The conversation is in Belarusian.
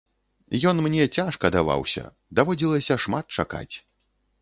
Ён мне цяжка даваўся, даводзілася шмат чакаць.